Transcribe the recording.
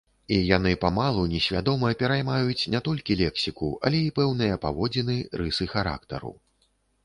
І яны памалу несвядома пераймаюць не толькі лексіку, але і пэўныя паводзіны, рысы характару.